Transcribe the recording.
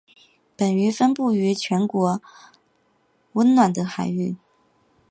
本鱼分布于全球温暖的海域。